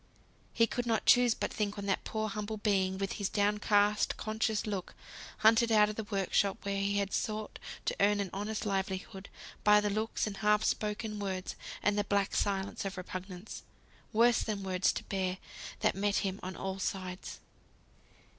He could not choose but think on that poor humble being, with his downcast conscious look; hunted out of the work shop, where he had sought to earn an honest livelihood, by the looks, and half spoken words, and the black silence of repugnance (worse than words to bear), that met him on all sides.